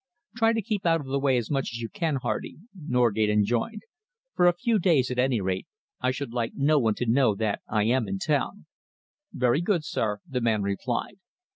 "Try to keep out of the way as much as you can. Hardy," Norgate enjoined. "For a few days, at any rate, I should like no one to know that I am in town." "Very good, sir," the man replied.